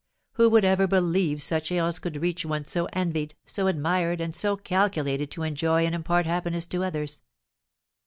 Who would ever believe such ills could reach one so envied, so admired, and so calculated to enjoy and impart happiness to others?"